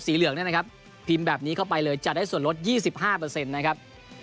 เหลืองเนี่ยนะครับพิมพ์แบบนี้เข้าไปเลยจะได้ส่วนลด๒๕นะครับ